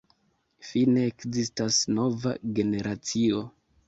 Fine ekzistas nova generacio.